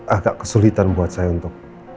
agak kesulitan buat saya untuk